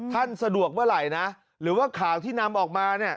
สะดวกเมื่อไหร่นะหรือว่าข่าวที่นำออกมาเนี่ย